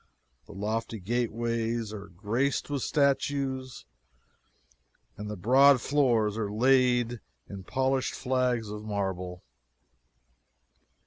The lofty gateways are graced with statues, and the broad floors are all laid in polished flags of marble.